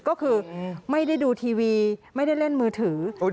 ก็คือไม่ได้ดูทีวีไม่ได้เล่นมือถือ